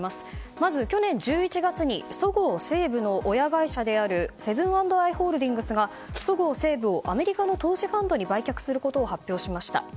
まず去年１１月にそごう・西武の親会社であるセブン＆アイ・ホールディングスがそごう・西武を、アメリカの投資ファンドに売却することを発表しました。